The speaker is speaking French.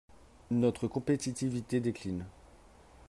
Notre compétitivité décline.